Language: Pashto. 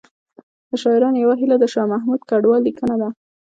له شاعرانو یوه هیله د شاه محمود کډوال لیکنه ده